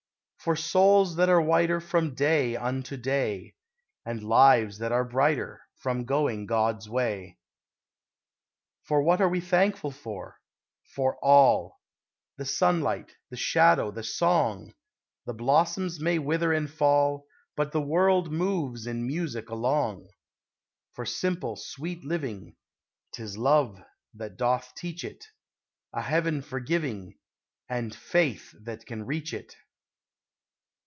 For souls that are whiter From day unto day; And lives that are brighter From going God's way. For what are we thankful for? For all: The sunlight the shadow the song; The blossoms may wither and fall, But the world moves in music along! For simple, sweet living, (Tis love that doth teach it) A heaven forgiving And faith that can reach it!